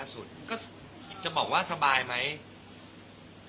ดูแสง